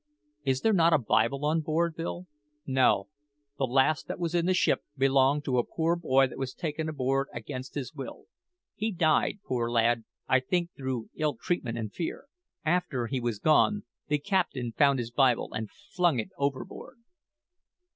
Is there not a Bible on board, Bill?" "No; the last that was in the ship belonged to a poor boy that was taken aboard against his will. He died, poor lad I think through ill treatment and fear. After he was gone, the captain found his Bible and flung it overboard."